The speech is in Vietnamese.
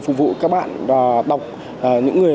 phục vụ các bạn đọc những người